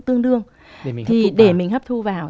tương đương để mình hấp thu vào